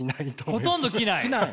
ほとんど着ない？